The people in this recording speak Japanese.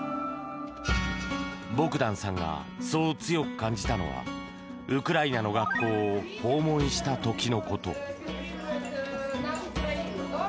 ボグダンさんがそう強く感じたのはウクライナの学校を訪問した時のこと。